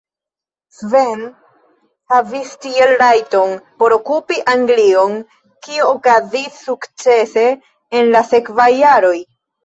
Sven havis tiel rajton por okupi Anglion, kio okazis sukcese en la sekvaj jaroj.